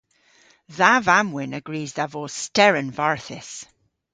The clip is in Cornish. Dha vamm-wynn a grys dha vos steren varthys.